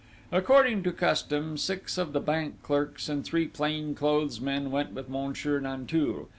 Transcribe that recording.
According to custom, six of the bank clerks and three plain clothes men went with Monsieur Nanteuil.